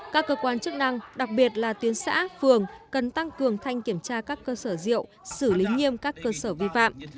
các cơ quan chức năng đặc biệt là tuyến xã phường cần tăng cường thanh kiểm tra các cơ sở rượu xử lý nghiêm các cơ sở vi phạm